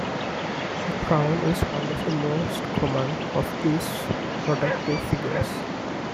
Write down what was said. The crone is one of the most common of these protective figures.